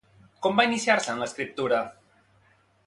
Com va iniciar-se en l'escriptura?